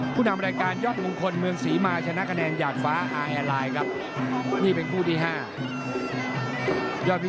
ผู้นำรายการยอดมงคลเมืองศรีมาชนะคะแนนหยาดฟ้าอายแอร์ไลน์ครับนี่เป็นคู่ที่๕